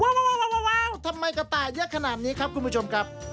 ว้าวทำไมกระต่ายเยอะขนาดนี้ครับคุณผู้ชมครับ